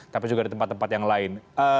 tapi juga di tempat tempat yang lain